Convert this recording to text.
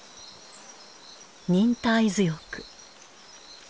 忍耐強く。